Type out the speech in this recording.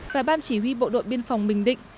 và ban chỉ huy bộ đội biên phòng bình định